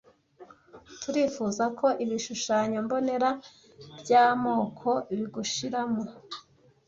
turifuza ko ibishushanyo mbonera byamoko bigushiramo